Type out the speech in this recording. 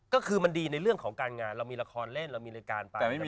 ก็คือมันดีในเรื่องของการงานเรามีละครเล่นเรามีรายการไป